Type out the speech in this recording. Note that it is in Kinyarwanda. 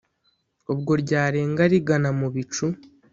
ubwo ryarenga rigana mu bicu